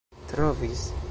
trovis